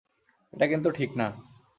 এটা কিন্তু ঠিক না।